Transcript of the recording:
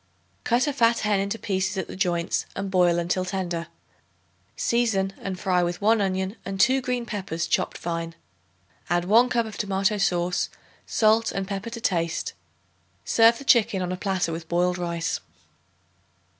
Cut a fat hen into pieces at the joints and boil until tender; season and fry with 1 onion and 2 green peppers chopped fine. Add 1 cup of tomato sauce, salt and pepper to taste. Serve the chicken on a platter with boiled rice.